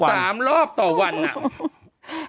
สามรอบต่อวันอ่ะ